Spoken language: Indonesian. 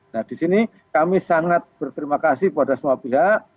nah disini kami sangat berterima kasih kepada semua pihak